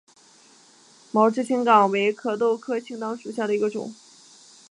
毛枝青冈为壳斗科青冈属下的一个种。